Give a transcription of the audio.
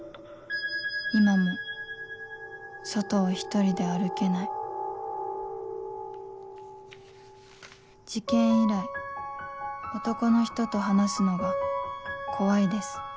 「今も外を一人で歩けない」「事件以来男の人と話すのが怖いです」